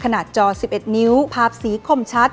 จอ๑๑นิ้วภาพสีคมชัด